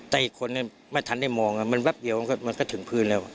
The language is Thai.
แต่อีกคนไม่ทันได้มองมันแป๊บเดียวมันก็ถึงพื้นแล้ว